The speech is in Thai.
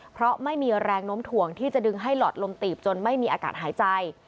เพราะไม่มีแรงโน้มถ่วงที่จะดึงให้หลอดลมตีบจนไม่มีอากาศหายใจ